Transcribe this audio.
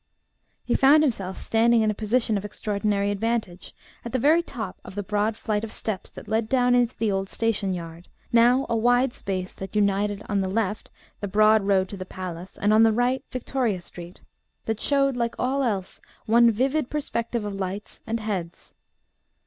He found himself standing in a position of extraordinary advantage, at the very top of the broad flight of steps that led down into the old station yard, now a wide space that united, on the left the broad road to the palace, and on the right Victoria Street, that showed like all else one vivid perspective of lights and heads.